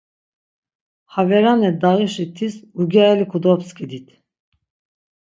Ha verane ndağişi tis ugyareli kodopskidit.